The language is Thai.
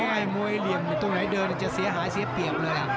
เพราะไอ้มวยเหลี่ยมหรือนั่นตรงไหนเดินจะเสียหายเสียเปลี่ยมเลยอ่ะ